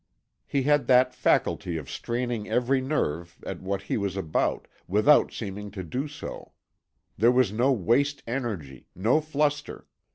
He had that faculty of straining every nerve at what he was about, without seeming to do so; there was no waste energy, no fluster.